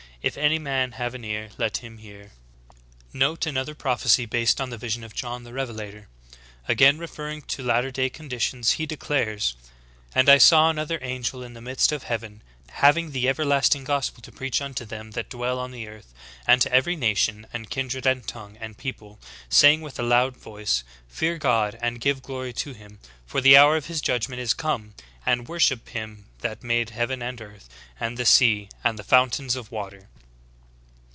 If any man have an ear, let him hear." ^ 35. Note another prophecy based on the vision of John the Revelator. Again referring to latter day conditions he declares : "And I saw another angel fly in the midst of heaven, having the everlasting gospel to preach unto them that dwell on the earth, and to every nation, and kindred, and tongue, and people. Saying with a loud voice. Fear God, and give glory to him; for the hour of His judgment is come; and worship Him that made heaven and earth, and the sea, and the fountains of water."